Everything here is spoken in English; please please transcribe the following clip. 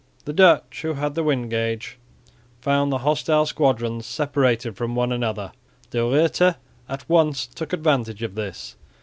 The Dutch, who had the wind gauge, found the hostile squadrons separated from one another. De Ruyter at once took advantage of this.